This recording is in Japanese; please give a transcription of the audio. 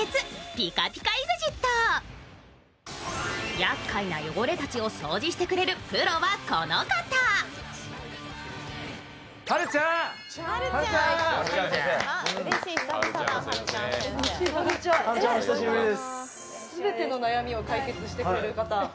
やっかいな汚れたちを掃除してくれるプロはこの方。